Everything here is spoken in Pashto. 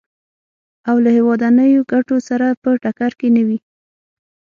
او له هېوادنیو ګټو سره په ټکر کې نه وي.